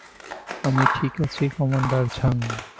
আমি ঠিক আছি, কমান্ডার ঝাং।